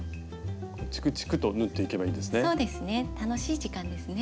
チクチクと縫っていけばいいんですね。